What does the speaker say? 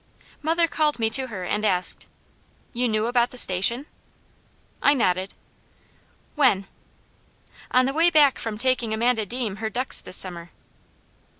Mother called me to her and asked: "You knew about the Station?" I nodded. "When?" "On the way back from taking Amanda Deam her ducks this summer."